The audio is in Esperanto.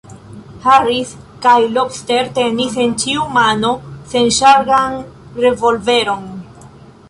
Harris kaj Lobster tenis en ĉiu mano sesŝargan revolveron.